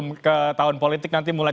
upaya upaya seperti ini